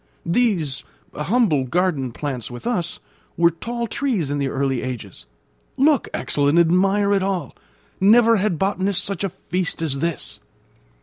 These, humble garden plants with us, were tall trees in the early ages. Look, Axel, and admire it all. Never had botanist such a feast as this!"